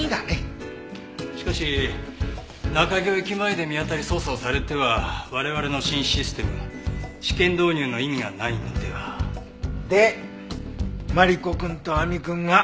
しかし中京駅前で見当たり捜査をされては我々の新システム試験導入の意味がないのでは？でマリコくんと亜美くんが交渉に行ってるとこ。